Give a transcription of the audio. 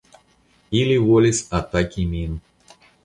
Ili volis ataki min.